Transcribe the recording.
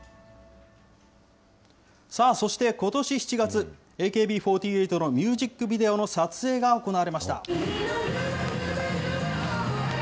そしてことし７月、ＡＫＢ４８のミュージックビデオの撮影が行われました。